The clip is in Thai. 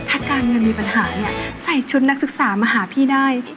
ถ้าใครมีปัญหาใส่ชุดนักศึกษามาหาพี่ได้